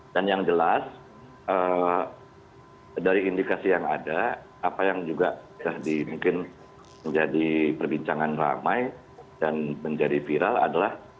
dan yang jelas dari indikasi yang ada apa yang juga bisa dimungkin menjadi perbincangan ramai dan menjadi viral adalah